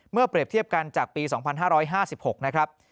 เปรียบเทียบกันจากปี๒๕๕๖นะครับ